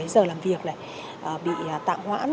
giờ làm việc bị tạm hoãn